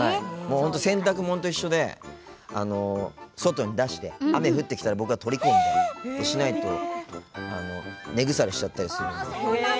本当、洗濯物と一緒で外に出して雨降ってきたら、僕が取り込んでってことをしないと根腐れしちゃったりするので。